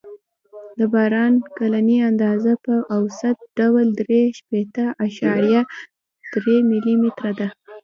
د باران کلنۍ اندازه په اوسط ډول درې شپېته اعشاریه درې ملي متره ده